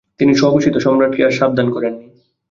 তিনি স্বঘোষিত সম্রাটকে আর সাবধান করেননি।